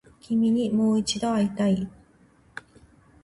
君にもう一度会いたい